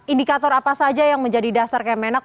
indikator apa saja yang menjadi dasar kemenak